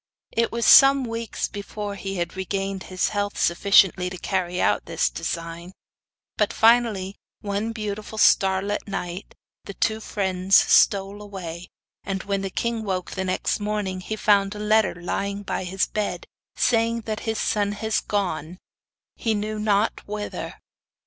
It was some weeks before he had regained his health sufficiently to carry out his design; but finally, one beautiful starlight night, the two friends stole away, and when the king woke next morning he found a letter lying by his bed, saying that his son had gone, he knew not whither.